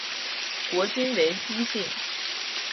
国君为姬姓。